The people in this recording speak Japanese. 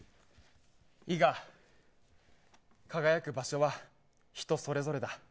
いいか、輝く場所は人それぞれだ。